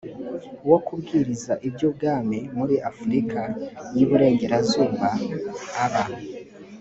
wo kubwiriza iby ubwami muri afurika y iburengerazuba aba